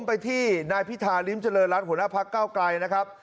ไปที่นายพิธาริมเจริญรัฐหัวหน้าพักเก้าไกลนะครับ